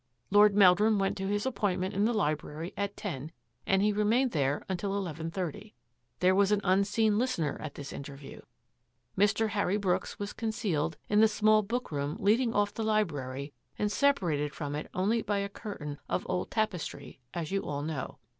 Lord Meldrum went to his appoint ment in the library at ten and he remained there until eleven thirty. There was an unseen listener at this interview. Mr. Harry Brooks was con cealed in the small bookroom leading off the library and separated from it only by a curtain of old tapestry, as you all know.